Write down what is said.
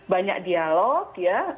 banyak dialog ya